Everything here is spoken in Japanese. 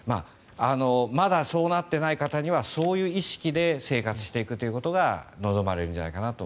まだそうなっていない方にはそういう意識で生活していくことが望まれるんじゃないかと。